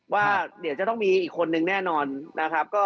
ว่าเดี๋ยวจะต้องมีอีกคนนึงแน่นอนนะครับ